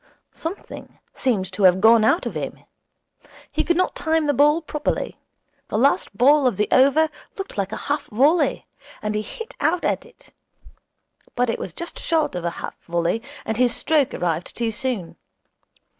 Something seemed to have gone out of him. He could not time the ball properly. The last ball of the over looked like a half volley, and he hit out at it. But it was just short of a half volley, and his stroke arrived too soon.